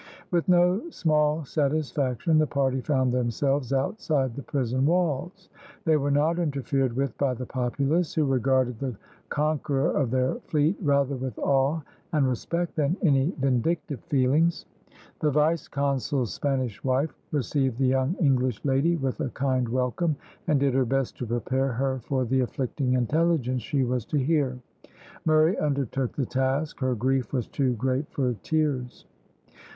With no small satisfaction the party found themselves outside the prison walls. They were not interfered with by the populace, who regarded the conqueror of their fleet rather with awe and respect than any vindictive feelings. The vice consul's Spanish wife received the young English lady with a kind welcome, and did her best to prepare her for the afflicting intelligence she was to hear. Murray undertook the task. Her grief was too great for tears.